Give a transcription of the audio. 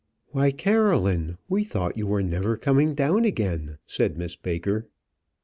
"Why, Caroline, we thought you were never coming down again," said Miss Baker.